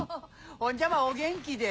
ほんじゃまぁお元気で。